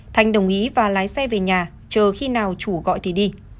thanh đồng ý và lái xe về nhà chờ khi nào chủ gọi thì đi